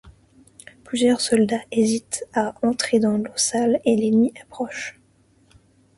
Plusieurs soldats hésitent à entrer dans l'eau sale et l'ennemi approche.